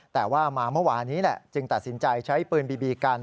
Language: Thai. แต่ว่ามาเมื่อวานนี้แหละจึงตัดสินใจใช้ปืนบีบีกัน